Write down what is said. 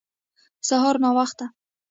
سهار ناوخته